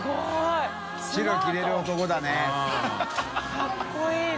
かっこいいな。